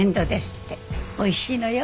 おいしいのよ